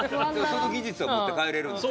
その技術を持って帰れるんですね